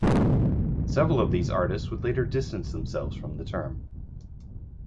Several of these artists would later distance themselves from the term.